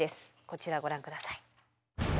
こちらをご覧ください。